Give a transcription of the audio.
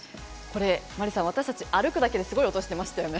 マリさん、私たち歩くだけですごい音がしていましたよね。